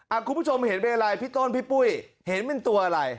คุณผู้ชมเห็นเป็นอะไรพี่ต้นพี่ปุ้ยเห็นเป็นตัวอะไร